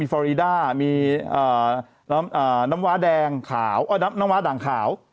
มีฟอรีด่ามีน้ำวาด่างขาว